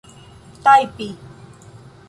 tajpi